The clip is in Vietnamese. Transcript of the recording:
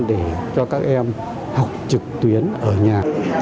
để cho các em học trực tuyến ở nhà